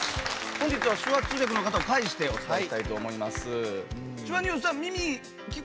本日は手話通訳の方を介してお伝えしたいと思います。